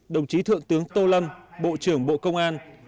đồng chí thượng tướng tô lâm bộ trưởng bộ công an